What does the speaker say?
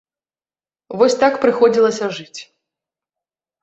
Вось так прыходзілася жыць.